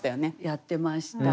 やってました。